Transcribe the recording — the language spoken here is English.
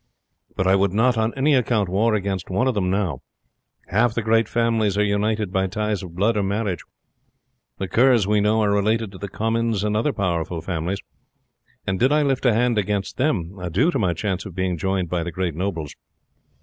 But I would not on any account war against one of them now. Half the great families are united by ties of blood or marriage. The Kerrs, we know, are related to the Comyns and other powerful families; and did I lift a hand against them, adieu to my chance of being joined by the great nobles.